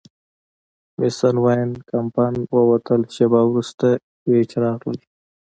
مېس وان کمپن ووتل، شیبه وروسته ګېج راغلل.